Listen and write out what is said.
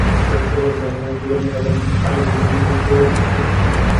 সরকারের প্রতি আহ্বান জানাই, দ্রুত সাঁওতাল আদিবাসীদের জমি ফিরিয়ে দিতে হবে।